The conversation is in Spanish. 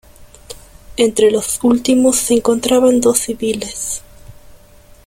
Entre los últimos se encontraban dos civiles.